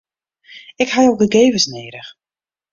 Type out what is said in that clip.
Ik ha jo gegevens nedich.